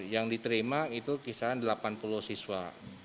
yang diterima itu kisaran delapan puluh siswa